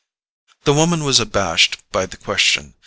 The woman was unabashed by the question.